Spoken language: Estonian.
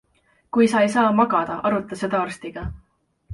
Kui sa ei saa magada, aruta seda arstiga.